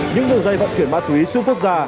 những đường dây vận chuyển ma túy xuyên quốc gia